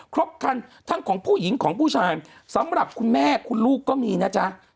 ครบคันทั้งของผู้หญิงของผู้ชายสำหรับคุณแม่คุณลูกก็มีนะจ๊ะ